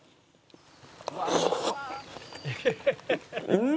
うん！